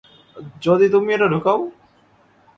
যদি তুমি এটা ঢুকাও?